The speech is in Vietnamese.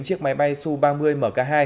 chiếc máy bay su ba mươi mk hai